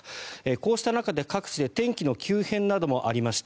こうした中で各地で天気の急変などもありました。